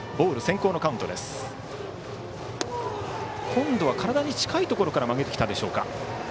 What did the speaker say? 今度は体に近いところから曲げてきたでしょうか。